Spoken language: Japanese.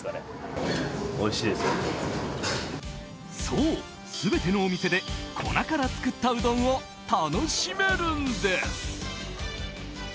そう、全てのお店で粉から作ったうどんを楽しめるんです。